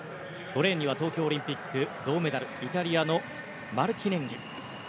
５レーンには東京オリンピックで銅メダルイタリアのマルティネンギ。